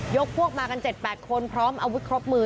ยกพวกมากัน๗๘คนพร้อมเอาวิเคราะห์มือ